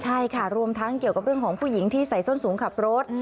ใช่ค่ะรวมทั้งเกี่ยวกับเรื่องของผู้หญิงที่ใส่ส้นสูงขับรถ